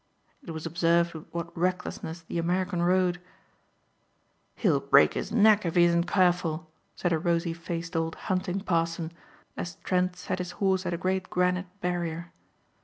It was observed with what recklessness the American rode. "He'll break his neck if he isn't careful," said a rosy faced old "hunting parson," as Trent set his horse at a great granite barrier.